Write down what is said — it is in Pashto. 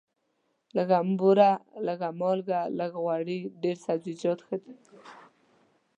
لږه بوره، لږه مالګه، لږ غوړي، ډېر سبزیجات ښه دي.